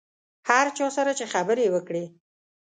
هر چا سره چې خبره وکړې.